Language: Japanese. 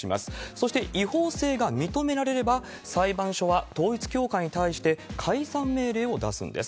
そして、違法性が認められれば、裁判所は統一教会に対して解散命令を出すんです。